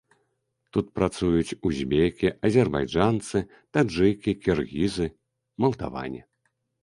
Тут працуюць узбекі, азербайджанцы, таджыкі, кіргізы, малдаване.